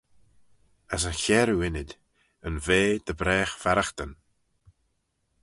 As y chiarroo ynnyd, yn vea dy bragh farraghtyn.